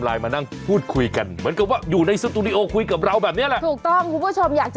ตาลังการไม่สำคัญ